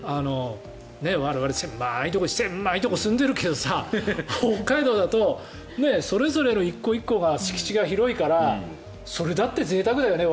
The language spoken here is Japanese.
我々、狭いところに住んでるけどさ北海道だとそれぞれの１個１個が敷地が広いからそれだってぜいたくだよね